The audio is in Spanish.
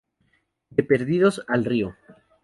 De perdidos, al río